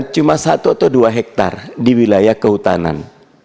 cuma satu atau dua hektare di wilayah kehutanan